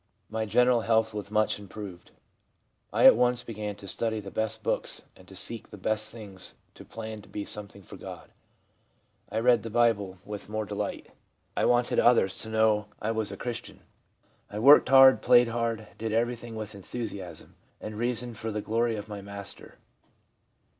My general health was much improved. I at once began to study the best books and to seek the best things, to plan to be something for God. I read the Bible with more delight. I wanted others to know I was a i 3 2 THE PSYCHOLOGY OF RELIGION Christian. I worked hard, played hard, did everything with enthusiasm and reason for the glory of my Master.'